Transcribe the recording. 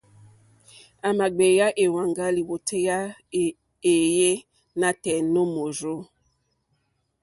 À mà gbèyá èwàŋgá lìwòtéyá éèyé nǎtɛ̀ɛ̀ nǒ mòrzô.